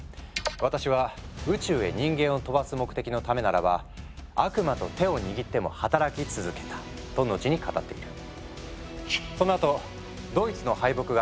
私は宇宙へ人間を飛ばす目的のためならば悪魔と手を握っても働き続けた」と後に語っている。